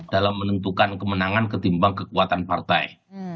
dalam menentukan kemenangan ketimbang kekuatan partai